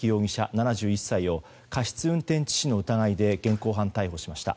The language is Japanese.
７１歳を過失運転致死の疑いで現行犯逮捕しました。